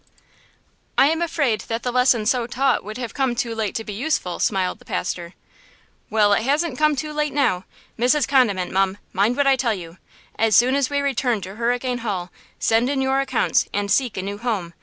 "I am afraid that the lesson so taught would have come too late to be useful!" smiled the pastor. "Well, it hasn't come too late now! Mrs. Condiment, mum, mind what I tell you! As soon as we return to Hurricane Hall, send in your accounts and seek a new home!